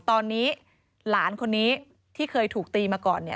ตอนนี้หลานคนนี้ที่เคยถูกตีมาก่อนเนี่ย